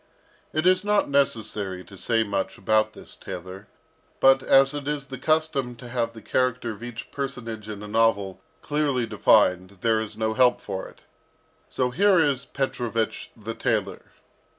It is not necessary to say much about this tailor, but as it is the custom to have the character of each personage in a novel clearly defined there is no help for it, so here is Petrovich the tailor.